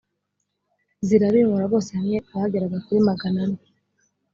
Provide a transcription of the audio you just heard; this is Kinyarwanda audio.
zirabimura bose hamwe bageraga kuri magane ane